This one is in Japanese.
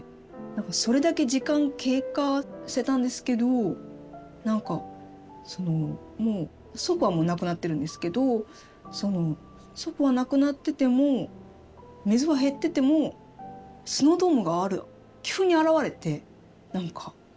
何かそれだけ時間経過してたんですけど何かもう祖父はもう亡くなってるんですけどその祖父は亡くなってても水は減っててもスノードームがある急に現れて何かすごいうれしかったんですよね。